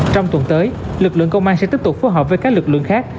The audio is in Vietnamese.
trong tuần tới lực lượng công an sẽ tiếp tục phối hợp với các lực lượng khác